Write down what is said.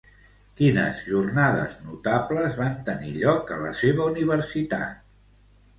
Quines jornades notables van tenir lloc a la seva universitat?